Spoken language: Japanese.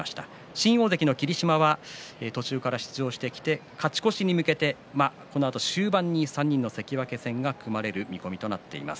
新大関の霧島は途中から出場してきて勝ち越しに向けてこのあと終盤に３人の関脇戦が組まれる見込みとなっています。